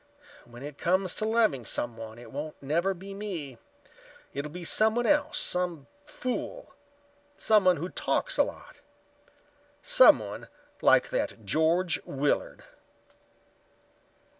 When it comes to loving someone, it won't never be me. It'll be someone else—some fool—someone who talks a lot—someone like that George Willard."